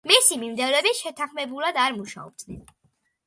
მისი მიმდევრები შეთანხმებულად არ მუშაობდნენ.